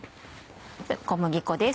小麦粉です。